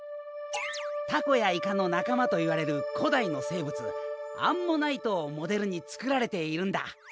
タコやイカの仲間といわれる古代の生物アンモナイトをモデルに作られているんだ。